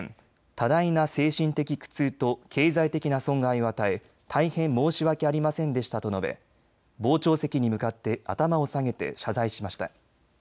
多大な精神的苦痛と経済的な損害を与え大変申し訳ありませんでしたと述べ、傍聴席に向かって頭を下げて謝罪しました。